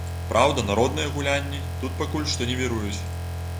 Праўда, народныя гулянні тут пакуль што не віруюць.